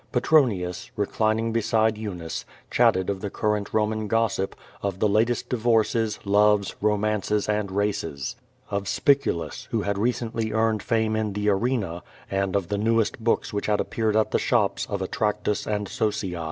Petronius, reclining beside Eunice, chatted of the current Roman gossip, of the latest divorces, love, romances and races; of Spiculus, who had recently earned fame in the arena, and of the newest books which had appeared at the shops of Atractus and Socii.